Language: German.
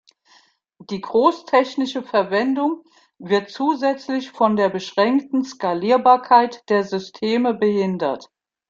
Die großtechnische Verwendung wird zusätzlich von der beschränkten Skalierbarkeit der Systeme behindert.